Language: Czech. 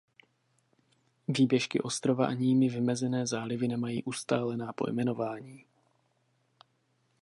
Výběžky ostrova ani jimi vymezené zálivy nemají ustálená pojmenování.